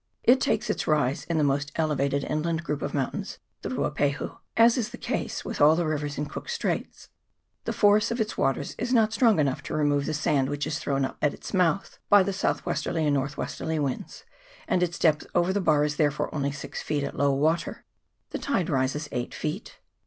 It takes its rise in the most elevated inland group of mountains, the Ruapahu. As is the case with all the rivers in Cook's Straits, the force of its waters is not strong enough to remove the sand which is thrown up at its mouth by the south westerly and north westerly winds ; and its depth over the bar is therefore only six feet at low water ; the tide rises eight feet.